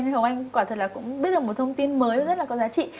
thì hồng anh quả thật là cũng biết được một thông tin mới rất là có giá trị